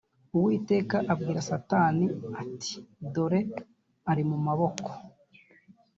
uwiteka abwira satani ati dore ari mu maboko